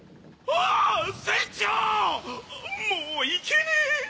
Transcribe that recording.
もう行けねえ！